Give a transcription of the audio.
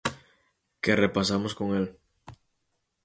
Que repasamos con el.